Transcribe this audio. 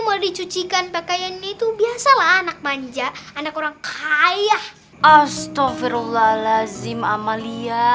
mau dicucikan pakaian itu biasalah anak banja anak orang kaya astaghfirullahaladzim amalia